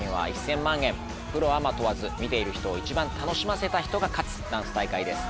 プロアマ問わず見ている人を一番楽しませた人が勝つダンス大会です。